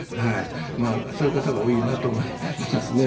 まあそういう方が多いなと思いますね